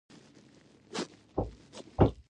څنګه کولی شم ښه رزومه جوړ کړم